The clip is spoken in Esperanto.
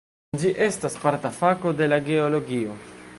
Ĝi estas parta fako de la geologio.